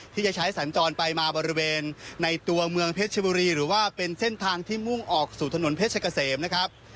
ที่จะใช้สัญจรไปมาบริเวณในตัวเมืองเพชรชบุรีหรือว่าเป็นเส้นทางที่มุ่งออกสู่ถนนเพชรเกษมนะครับ